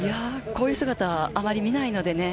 こういう姿はあまり見ないので。